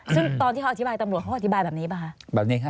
ซึ่งตอนที่เขาอธิบายตำรวจเขาก็อธิบายแบบนี้ไหมคะ